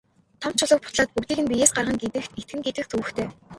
Том чулууг бутлаад бүгдийг нь биеэс гаргана гэдэгт итгэнэ гэдэг төвөгтэй.